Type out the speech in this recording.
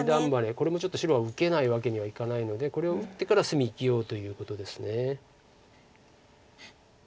これもちょっと白は受けないわけにはいかないのでこれを打ってから隅生きようということです。